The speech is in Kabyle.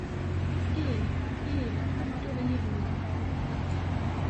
Ih, ih, ad dduɣ yid-wen.